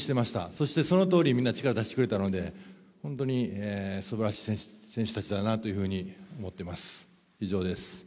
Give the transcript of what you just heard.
そしてそのとおりみんな力を出してくれたので、本当にすばらしい選手たちだなというふうに思っています。